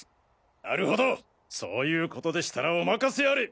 なるほどそういうことでしたらお任せあれ！